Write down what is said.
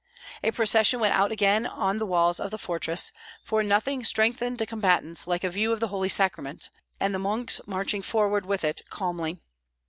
A procession went out again on the walls of the fortress, for nothing strengthened the combatants like a view of the Holy Sacrament, and the monks marching forward with it calmly.